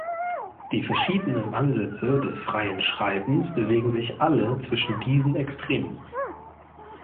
Die verschiedenen Ansätze des freien Schreibens bewegen sich alle zwischen diesen Extremen.